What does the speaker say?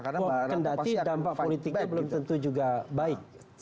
karena barang barang pasti akan fight back